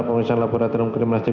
pemerintahan laboratorium kriminologi